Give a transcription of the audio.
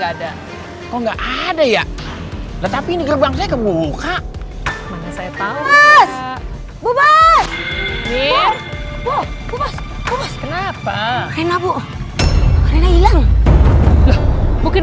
tidak ada perubahan apapun dari andin